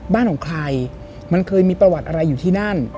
บ้านของใครมันเคยมีประวัติอะไรอยู่ที่นั่น